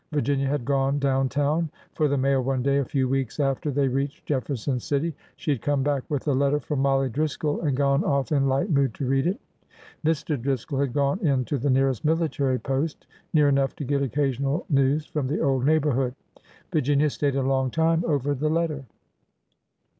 Virginia had gone down town for the mail one day a few weeks after they reached Jefferson City. She had come back with a letter from Mollie Driscoll and gone off in light mood to read it. Mr. Driscoll had gone in to the nearest military post, — near enough to get occasional news from the old neighborhood. Virginia stayed a long time over the letter.